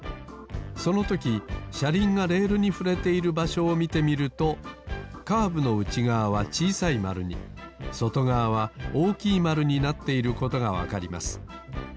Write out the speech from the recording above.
そのときしゃりんがレールにふれているばしょをみてみるとカーブのうちがわは小さいまるにそとがわは大きいまるになっていることがわかります。